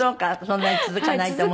そんなに続かないと。